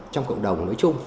trong cộng đồng nói chung